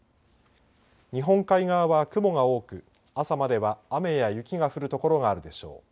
日本海側は雲が多く朝までは雨や雪が降る所があるでしょう。